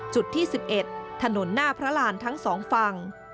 จุดที่๑๑ถนนหน้าพระรานทั้งสองฝั่ง